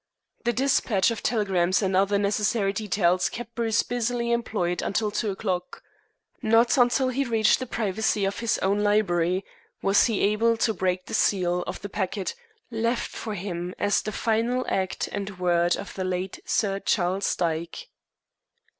The despatch of telegrams and other necessary details kept Bruce busily employed until two o'clock. Not until he reached the privacy of his own library was he able to break the seal of the packet left for him as the final act and word of the late Sir Charles Dyke.